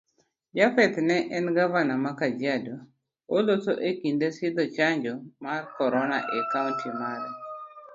Japheth en govana ma kajiado, oloso ekinde sidho chanjo mar corona e kaunti mare.